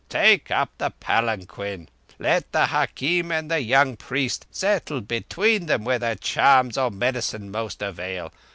Take up the palanquin. Let the hakim and the young priest settle between them whether charms or medicine most avail.